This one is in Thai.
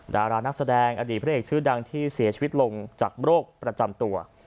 ดารานักแสดงอดีตพระเอกชื่อดังที่เสียชีวิตลงจากโรคประจำตัว